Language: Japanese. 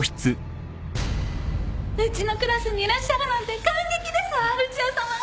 うちのクラスにいらっしゃるなんて感激ですわルチアさま。